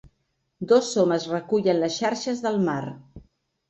Dos homes recullen les xarxes del mar.